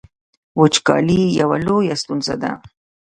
وچکالي یوه لویه ستونزه ده